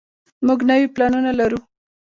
موږ نوي پلانونه لرو.